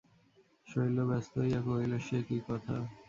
শৈল ব্যস্ত হইয়া কহিল, সে কী কথা!